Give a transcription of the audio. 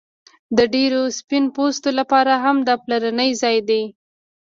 د ډیرو سپین پوستو لپاره هم دا پلرنی ځای دی